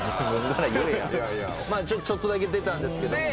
ちょっとだけ出たんですけども。